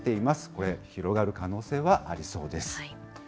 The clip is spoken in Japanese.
これ広がる可能性はありそうです。